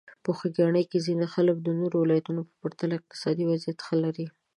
په خوږیاڼي کې ځینې خلک د نورو ولایتونو په پرتله اقتصادي وضعیت ښه لري.